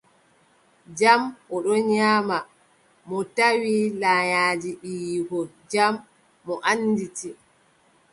Jam, o ɗon nyaama, mo tawi layaaji ɓiyiiko, jam mo annditi.